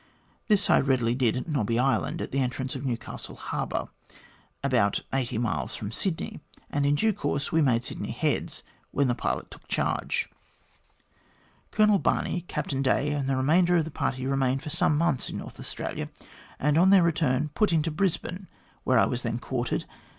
This I readily did at Nobby Island, at the entrance of Newcastle Harbour, about eighty miles from Sydney, and in due course we made Sydney Heads, when the pilot took charge. " Colonel Barney, Captain Day, and the remainder of the party remained for some months in North Australia, and on their return, put into Brisbane, where I was then quartered.